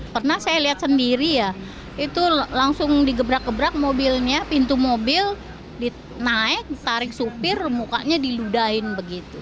pernah saya lihat sendiri ya itu langsung digebrak gebrak mobilnya pintu mobil naik tarik supir mukanya diludain begitu